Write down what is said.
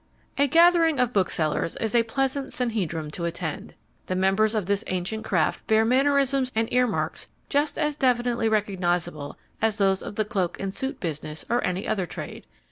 A gathering of booksellers is a pleasant sanhedrim to attend. The members of this ancient craft bear mannerisms and earmarks just as definitely recognizable as those of the cloak and suit business or any other trade.